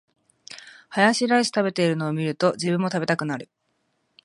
ハヤシライス食べてるの見ると、自分も食べたくなる